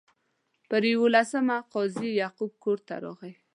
پر یوولسمه قاضي یعقوب کور ته راغی.